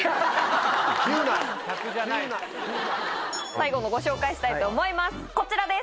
最後もご紹介したいと思いますこちらです。